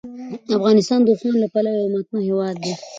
افغانستان د اوښانو له پلوه یو متنوع هېواد دی.